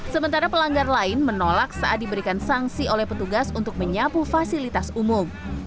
sementara pelanggar lain menolak saat diberikan sanksi oleh petugas untuk menyapu fasilitas umum